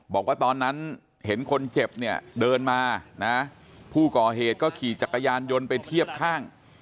บอกว่าตอนนั้นเห็นคนเจ็บเนี่ยเดินมานะผู้ก่อเหตุก็ขี่จักรยานยนต์ไปเทียบข้าง